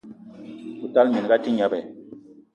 O tala minga a te gneb!